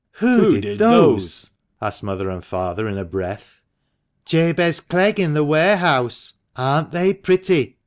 " Who did those ?" asked mother and father in a breath. " Jabez Clegg, in the warehouse. Aren't they pretty